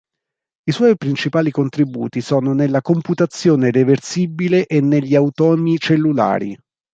I suoi principali contributi sono nella computazione reversibile e negli automi cellulari.